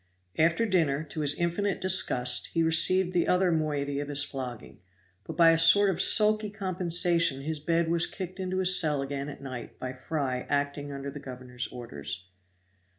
After dinner, to his infinite disgust, he received the other moiety of his flogging; but by a sort of sulky compensation his bed was kicked into his cell again at night by Fry acting under the governor's orders.